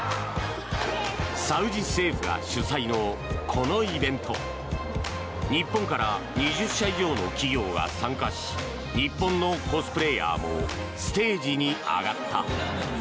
サウジ政府が主催のこのイベント日本から２０社以上の企業が参加し日本のコスプレーヤーもステージに上がった。